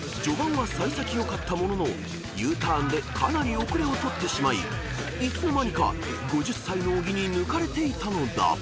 ［序盤は幸先良かったもののＵターンでかなり後れを取ってしまいいつの間にか５０歳の小木に抜かれていたのだ］